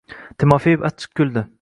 Timofeev achchiq kuldi.